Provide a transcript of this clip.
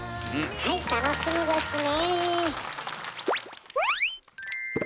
はい楽しみですね！